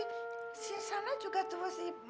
di sana juga tuh si